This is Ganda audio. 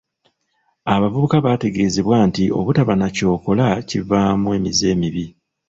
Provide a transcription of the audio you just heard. Abavubuka bateegezebwa anti obutaba na ky'okkola kivaamu emize emibi.